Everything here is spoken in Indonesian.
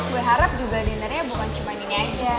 gue harap juga dinnernya bukan cuma ini aja